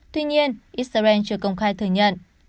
tuy nhiên israel chưa công khai thừa nhận